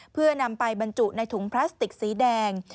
เพื่อนำไปบรรจุในถุงพลาสติกสีแดง